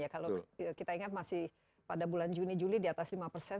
kalau kita ingat masih pada bulan juni juli di atas lima persen